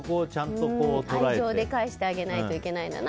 愛情で返してあげないといけないんだなと。